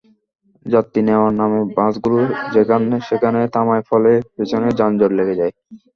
যাত্রী নেওয়ার নামে বাসগুলো যেখানে-সেখানে থামায়, ফলে পেছনে যানজট লেগে যায়।